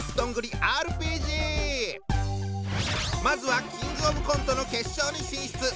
まずはキングオブコントの決勝に進出